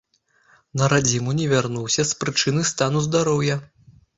На радзіму не вярнуўся з прычыны стану здароўя.